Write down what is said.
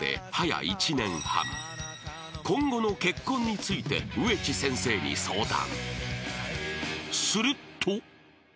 ［今後の結婚について上地先生に相談］